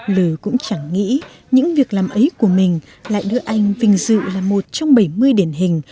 lơ cũng chẳng nghĩ những việc làm ấy của mình lại đưa anh vinh dự là một trong bảy mươi điển hình